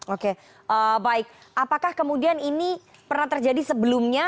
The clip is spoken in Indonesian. oke baik apakah kemudian ini pernah terjadi sebelumnya